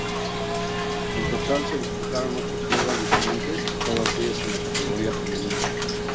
En total se disputaron ocho pruebas diferentes, todas ellas en la categoría femenina.